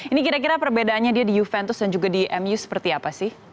ini kira kira perbedaannya dia di juventus dan juga di mu seperti apa sih